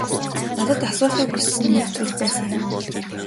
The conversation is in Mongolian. Надад асуухыг хүссэн нэг зүйл байсан юм.